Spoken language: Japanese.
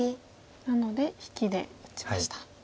なので引きで打ちました。